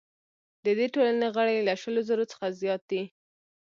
د دې ټولنې غړي له شلو زرو څخه زیات دي.